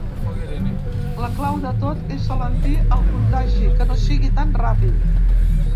La clau de tot és alentir el contagi, que no sigui tan ràpid.